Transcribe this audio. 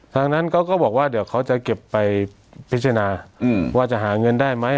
ทางนั้นเขาก็บอกว่าเดี๋ยวเขาจะเก็บไปพิจารณาว่าจะหาเงินได้ไหม